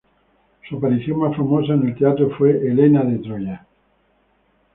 Su aparición más famosa en el teatro fue "Helena de Troya".